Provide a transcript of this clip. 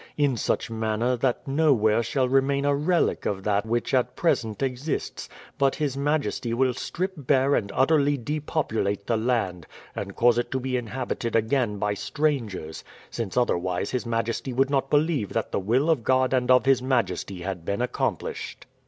In such manner that nowhere shall remain a relic of that which at present exists, but his majesty will strip bare and utterly depopulate the land, and cause it to be inhabited again by strangers, since otherwise his majesty would not believe that the will of God and of his majesty had been accomplished."